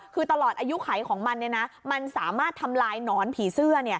คือตลอดอายุไขของมันมันสามารถทำลายหนอนผีเสื้อ